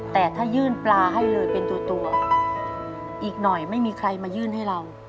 แต่ถ้ายื่นปลาให้เลยเป็นตัวอีกหน่อยไม่มีใครมายื่นให้เรา